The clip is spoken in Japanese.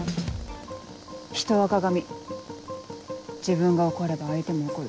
ひとは鏡自分が怒れば相手も怒る。